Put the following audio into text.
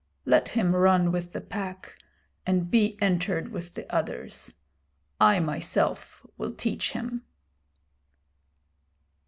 Let him run with the Pack, and be entered with the others. I myself will teach him.'